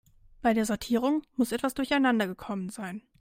Bei der Sortierung muss etwas durcheinander gekommen sein.